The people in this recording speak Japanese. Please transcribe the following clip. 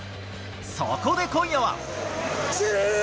そこで今夜は。